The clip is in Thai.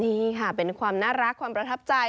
นี่ค่ะเป็นความน่ารักความประทับใจ